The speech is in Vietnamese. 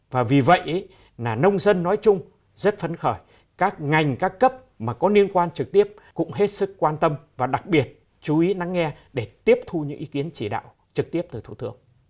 và vì vậy là nông dân nói chung rất phấn khởi các ngành các cấp mà có liên quan trực tiếp cũng hết sức quan tâm và đặc biệt chú ý nắng nghe để tiếp thu những ý kiến chỉ đạo trực tiếp từ thủ tướng